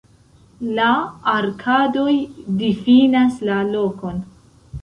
La arkadoj difinas la lokon.